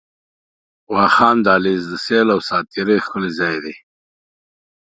واخان دهلېز، د سيل او ساعتري غوره ځای